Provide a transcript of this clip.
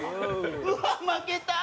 うわっ負けた！